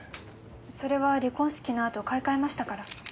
それは離婚式のあと買い替えましたから。